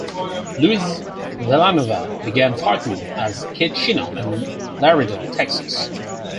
Luis Villanueva began fighting as "Kid Chino" in Laredo, Texas.